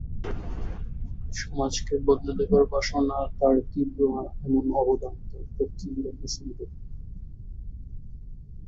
সমাজকে বদলে দেবার বাসনা যার তীব্র এমন অবদান তার পক্ষেই রাখা সম্ভব।